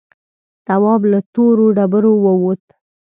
تواب له تورو ډبرو ووت.